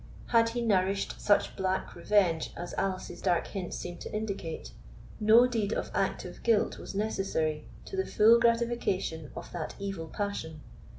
Had he nourished such black revenge as Alice's dark hints seemed to indicate, no deed of active guilt was necessary to the full gratification of that evil passion.